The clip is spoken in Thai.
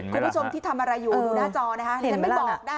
คุณผู้ชมที่ทำอะไรอยู่ดูหน้าจอนะคะดิฉันไม่บอกนะ